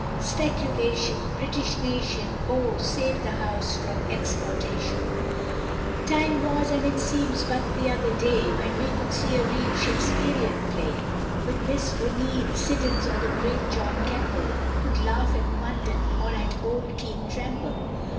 Speculation British nation, Oh, save the house from exportation! Time was, and it seems but t'other day, When we could see a real Shakesperian play, With Miss O'Neill, Siddons, or the great John Kemble, Could laugh at Munden, or at old Kean tremble.